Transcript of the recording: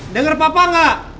dengar papa gak